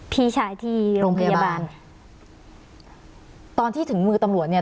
พี่ชายที่โรงพยาบาลตอนที่ถึงมือตำรวจเนี่ย